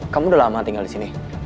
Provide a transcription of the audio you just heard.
kamu udah lama tinggal di sini